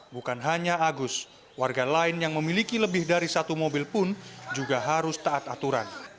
bukan hanya agus warga lain yang memiliki lebih dari satu mobil pun juga harus taat aturan